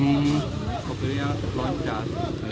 mobil yang terlalu can